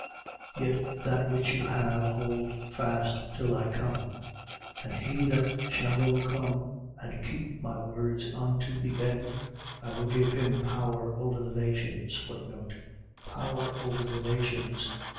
2:25. Yet that which you have, hold fast till I come. 2:26. And he that shall overcome and keep my words unto the end, I will give him power over the nations. Power over the nations.